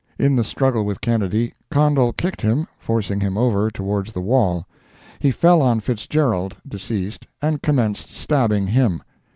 In the struggle with Kennedy, Condol kicked him, forcing him over towards the wall. He fell on Fitzgerald (deceased) and commenced stabbing him.